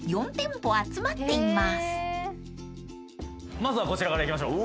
まずはこちらから行きましょう。